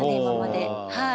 今まで。